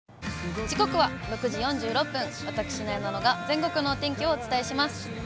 時刻は６時４６分、私、なえなのが全国のお天気をお伝えします。